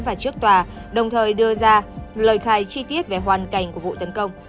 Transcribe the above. và trước tòa đồng thời đưa ra lời khai chi tiết về hoàn cảnh của vụ tấn công